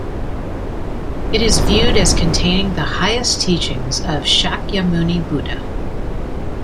It is viewed as containing the highest teachings of Shakyamuni Buddha.